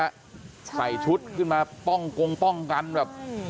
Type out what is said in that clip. ใส่ชุดขึ้นมาป้องกงป้องกันแบบ